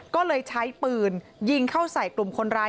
ก็เลยใช้ปืนยิงเข้าใส่กลุ่มคนร้าย